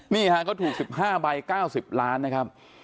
นี่ฮะเขาถูก๑๕ใบ๙๐ล้านนะครับ